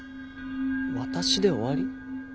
「私で終わり」？